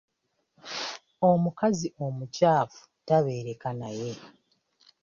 Omukazi omukyafu tabeereka naye.